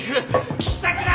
聞きたくない。